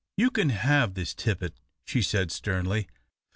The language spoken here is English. "You can have this tippet," she said, sternly.